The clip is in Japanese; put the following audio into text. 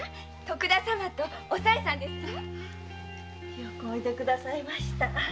よくおいで下さいました。